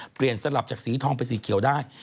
เปลี่ยนสลับจากสีทองไปสีเขียวได้